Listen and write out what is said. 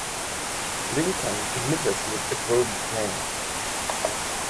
Lincoln immediately approved the plan.